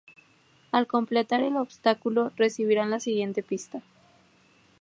Al completar el obstáculo recibirían la siguiente pista.